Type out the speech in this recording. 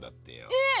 えっ！？